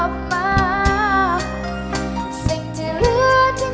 ว่าเธอนี่